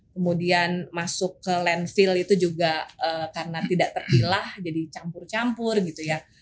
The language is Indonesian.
kemudian masuk ke landfill itu juga karena tidak terpilah jadi campur campur gitu ya